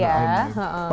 tapi tetap ada mayem ya